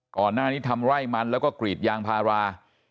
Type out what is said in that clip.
ก่อนหน้านี้ทำไร่มันแล้วก็กรีดยางพารา